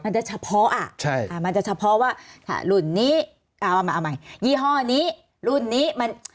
มันจะเฉพาะอ่ะมันจะเฉพาะว่ารุ่นนี้เอาใหม่ยี่ห้อนี้รุ่นนี้